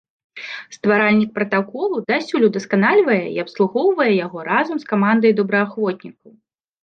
Стваральнік пратаколу дасюль удасканальвае і абслугоўвае яго разам з камандай добраахвотнікаў.